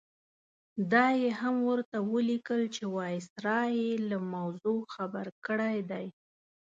دا یې هم ورته ولیکل چې وایسرا یې له موضوع خبر کړی دی.